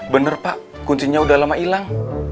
bener pak kuncinya udah lama hilang